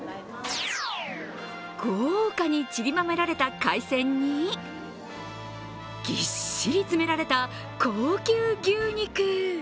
豪華に散りばめられた海鮮にぎっしり詰められた高級牛肉。